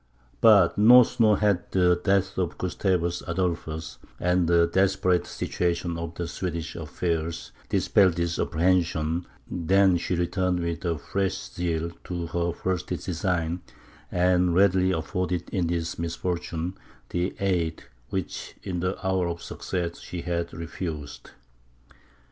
But no sooner had the death of Gustavus Adolphus, and the desperate situation of the Swedish affairs, dispelled this apprehension, than she returned with fresh zeal to her first design, and readily afforded in this misfortune the aid which in the hour of success she had refused.